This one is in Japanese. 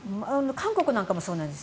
韓国なんかもそうなんです。